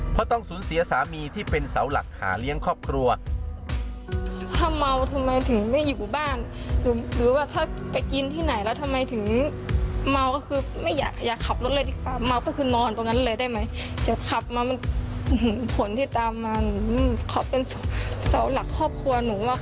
เพราะต้องสูญเสียสามีที่เป็นเสาหลักหาเลี้ยงครอบครัว